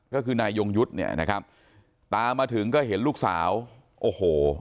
ก็คือนายยกยุทธ์ตามมาถึงจะเห็นลูกสาวโรโห